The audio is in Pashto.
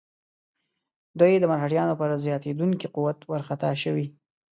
دوی د مرهټیانو پر زیاتېدونکي قوت وارخطا شوي.